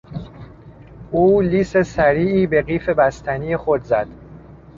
او لیس سریعی به قیف بستنی خود زد.